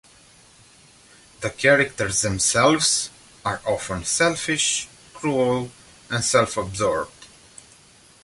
The characters themselves are often selfish, cruel and self-absorbed.